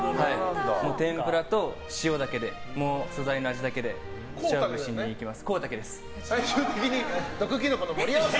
天ぷらと塩だけで素材の味だけで勝負しにいきます。